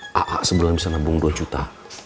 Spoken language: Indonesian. aak aak sebulan bisa nabung dua juta